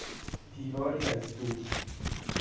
دیواری از دود